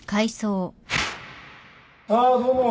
ああどうも